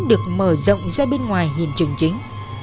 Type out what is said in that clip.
được mở rộng ra bên ngoài hiện trường chính